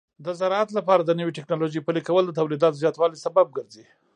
د زراعت لپاره د نوې ټکنالوژۍ پلي کول د تولیداتو زیاتوالي سبب ګرځي.